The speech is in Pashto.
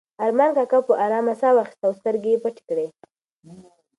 ارمان کاکا په ارامه ساه واخیسته او سترګې یې پټې کړې.